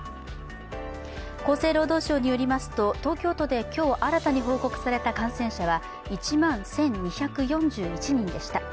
厚生労働省によりますと、東京都で今日新たに報告された感染者は１万１２４１人でした。